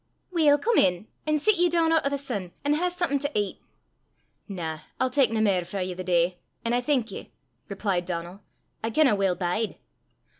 "Weel, come in, an' sit ye doon oot o' the sin, an' hae something to ait." "Na, I'll tak nae mair frae ye the day, an' I thank ye," replied Donal; "I canna weel bide."